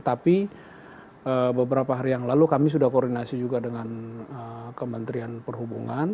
tapi beberapa hari yang lalu kami sudah koordinasi juga dengan kementerian perhubungan